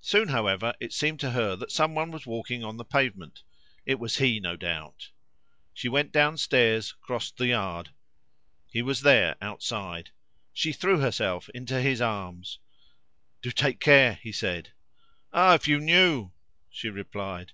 Soon, however, it seemed to her that someone was walking on the pavement. It was he, no doubt. She went downstairs, crossed the yard. He was there outside. She threw herself into his arms. "Do take care!" he said. "Ah! if you knew!" she replied.